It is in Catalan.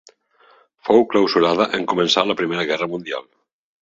Fou clausurada en començar la Primera Guerra Mundial.